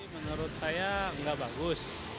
menurut saya nggak bagus